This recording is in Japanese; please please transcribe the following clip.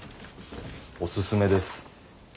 おすすめです。